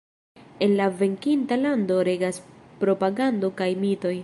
En la venkinta lando regas propagando kaj mitoj.